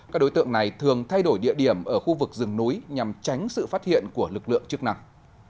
các đối tượng này thường thay đổi địa điểm ở khu vực rừng núi nhằm tránh sự phát hiện của lực lượng chức năng